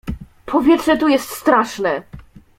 "Powietrze tu jest straszne!"